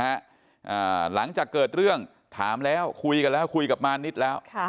หลังจากเกิดเรื่องถามแล้วคุยกันแล้วคุยกับมานิดแล้วค่ะ